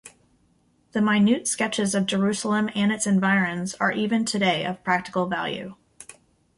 The minute sketches of Jerusalem and its environs are even today of practical value.